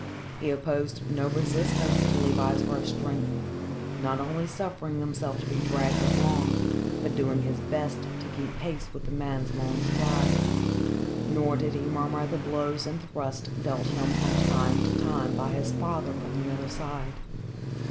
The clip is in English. He opposed no resistance to Levi's rough strength, not only suffering himself to be dragged along but doing his best to keep pace with the man's long strides, nor did he murmur at the blows and thrusts dealt him from time to time by his father from the other side.